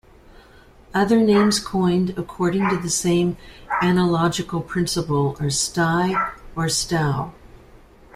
Other names coined according to the same analogical principle are "sti" or "stau".